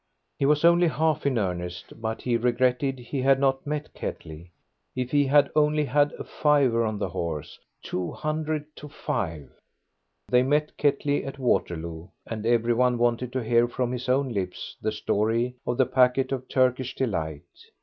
He was only half in earnest, but he regretted he had not met Ketley. If he had only had a fiver on the horse 200 to 5! They met Ketley at Waterloo, and every one wanted to hear from his own lips the story of the packet of Turkish Delight.